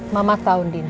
mama tau din